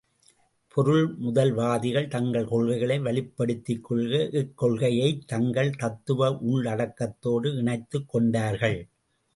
பொருள்முதல்வாதிகள், தங்கள் கொள்கைகளை வலுப்படுத்திக்கொள்ள இக்கொள்கையைத் தங்கள் தத்துவ உள்ளடக்கத்தோடு இணைத்துக் கொண்டார்கள்.